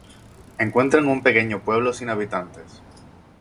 Encuentran un pequeño pueblo sin habitantes.